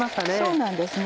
そうなんですね。